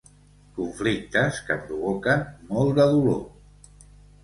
Conflictes que provoquen molt de dolor.